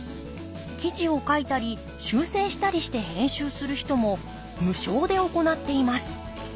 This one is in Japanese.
記事を書いたり修正したりして編集する人も無償で行っています。